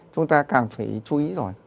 chúng ta càng phải chú ý rồi